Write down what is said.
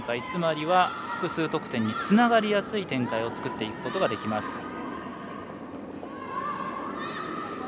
つまりは複数得点につながりやすい展開を作っていくことができます。